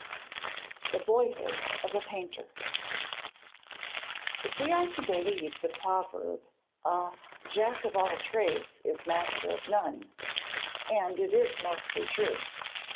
_] THE BOYHOOD OF A PAINTER If we are to believe the proverb, a 'Jack of all Trades is master of none,' and it is mostly true.